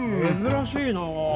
珍しいなあ。